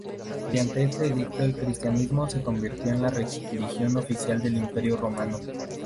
Mediante este edicto el cristianismo se convirtió en la religión oficial del Imperio romano.